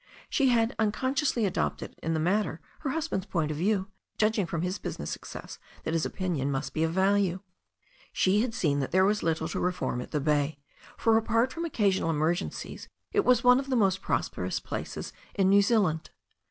She had uncon sciously adopted in the matter her husband's point of view, judging from his business success that his opinion must be of value. She had seen that there was little to reform at the bay, for apart from occasional emergencies it was one of the most prosperous places in New Zealand.